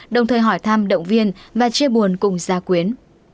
đồng thời hỏi thăm động viên và chia buồn cùng gia quyến